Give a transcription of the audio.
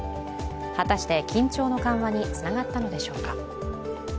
果たして緊張の緩和につながったのでしょうか。